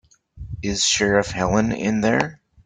Is Sheriff Helen in there?